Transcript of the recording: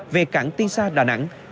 về cảng tiên xa đà nẵng